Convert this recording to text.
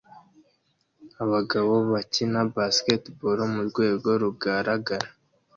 Abagabo bakina basketball murwego rugaragara